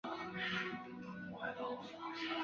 弗罗梅雷维尔莱瓦隆。